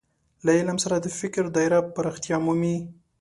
له علم سره د فکر دايره پراختیا مومي.